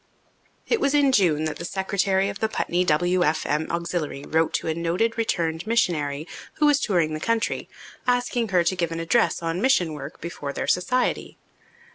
It was in June that the secretary of the Putney W.F.M. Auxiliary wrote to a noted returned missionary who was touring the country, asking her to give an address on mission work before their society.